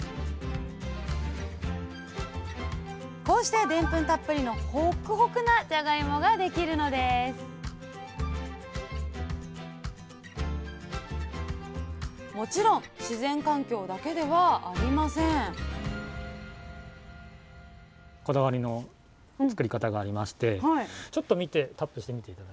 こうしてでんぷんたっぷりのホックホクなじゃがいもができるのですもちろん自然環境だけではありません初めてこのスタイル。